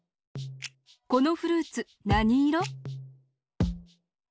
このフルーツなにいろ？